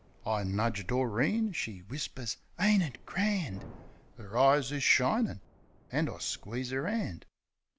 I nudge Doreen. She whispers, "Ain't it grand 1" 'Er eyes is shinin'; an' I squeeze 'er 'and.